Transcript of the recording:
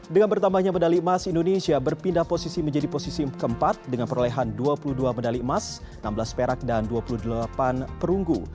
dengan bertambahnya medali emas indonesia berpindah posisi menjadi posisi keempat dengan perolehan dua puluh dua medali emas enam belas perak dan dua puluh delapan perunggu